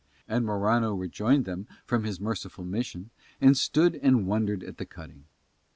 And Morano rejoined them from his merciful mission and stood and wondered at the cutting.